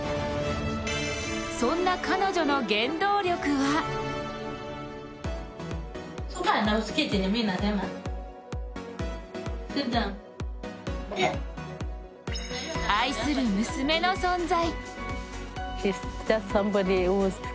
そんな彼女の原動力は愛する娘の存在。